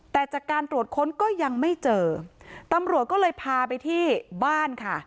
แต่จากการตรวจค้นก็ยังไม่เจอตำรวจก็เลยพาไปที่บ้านค่ะ